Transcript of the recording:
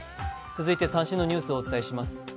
続いて最新のニュースをお伝えします。